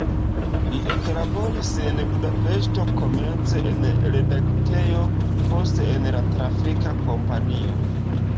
Li eklaboris en Budapeŝto komence en redaktejo, poste en la trafika kompanio.